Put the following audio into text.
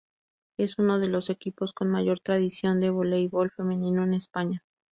Es uno de los equipos con mayor tradición del voleibol femenino en España.